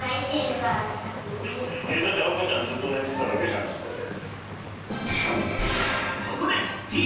だって亜瑚ちゃんずっと寝てただけじゃんそこで。